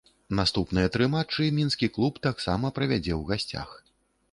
Наступныя тры матчы мінскі клуб таксама правядзе ў гасцях.